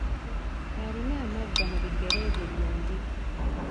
Alina amaggwa mu bigere bye byombi